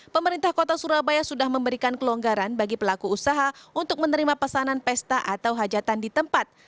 pemerintah kota surabaya sudah memberikan kelonggaran bagi pelaku usaha untuk menerima pesanan pesta atau hajatan di tempat